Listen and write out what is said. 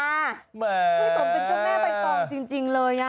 คือสมเป็นเจ้าแม่ใบตองจริงเลย